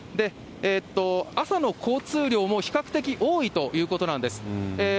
朝の交通量も比較的多いということなんです。